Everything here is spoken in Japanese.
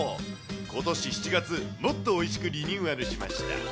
ことし７月、もっとおいしくリニューアルしました。